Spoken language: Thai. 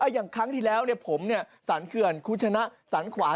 เฮ้ยอย่างครั้งที่แล้วผมเนี่ยสรรเหงื่อนขุชชะนะสรรขวาม